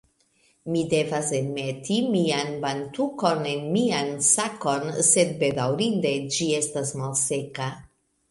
Mi devas enmeti mian bantukon en mian sakon sed bedaŭrinde ĝi estas malseka